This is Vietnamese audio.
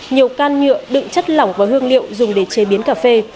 nhiều can nhựa đựng chất lỏng và hương liệu dùng để chế biến cà phê